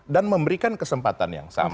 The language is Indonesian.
dan memberikan kesempatan yang sama